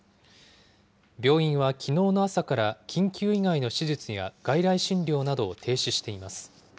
病院はきのうの朝から緊急以外の手術や外来診療などを停止しています。